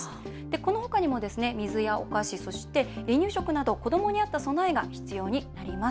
このほかにも水やお菓子、そして離乳食など子どもに合った備えが必要になります。